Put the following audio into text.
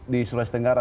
di sulawesi tenggara